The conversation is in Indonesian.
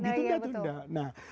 nah itu enggak entah